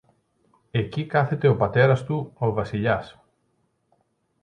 Εκεί κάθεται ο πατέρας του, ο Βασιλιάς.